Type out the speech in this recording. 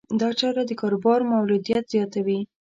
دا چاره د کاروبار مولدیت زیاتوي.